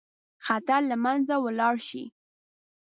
خطر له منځه ولاړ شي.